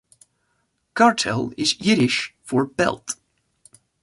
"Gartel" is Yiddish for "belt".